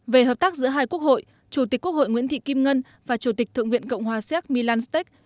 về hợp tác giữa hai quốc hội chủ tịch quốc hội nguyễn thị kim ngân và chủ tịch thượng viện cộng hòa xác milanstech